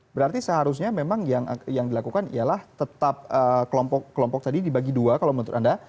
berarti seharusnya memang yang dilakukan ialah tetap kelompok kelompok tadi dibagi dua kalau menurut anda